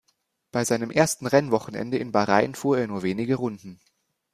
Bei seinem ersten Rennwochenende in Bahrain fuhr er nur wenige Runden.